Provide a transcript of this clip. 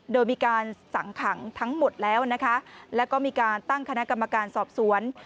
โดยมีการสั่งขังทั้งหมดแล้วนะคะแล้วก็มีการตั้งคณะกรรมการสอบสวน